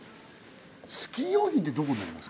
スキー用品ってどこになりますか？